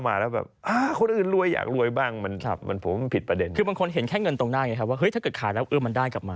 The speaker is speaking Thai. มันรวยแบบมันมันจะปันผลมันไม่รวยกับส่วนต่างของราคา